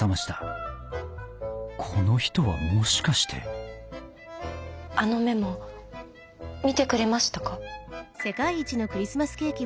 この人はもしかしてあのメモ見てくれましたか？